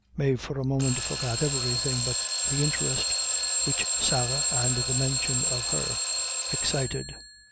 Mave for a moment forgot everything but the interest which Sarah, and the mention of her, excited.